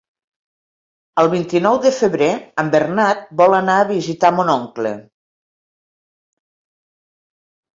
El vint-i-nou de febrer en Bernat vol anar a visitar mon oncle.